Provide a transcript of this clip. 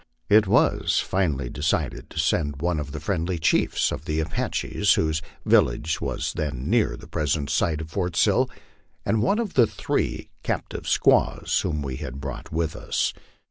It was finally decided to send one of the friendly chiefs of the Apaches, whose village was then near the present site of Port Sill, and one of the three captive sqnaws whom we had brought with us. LIFE ON THE PLAINS.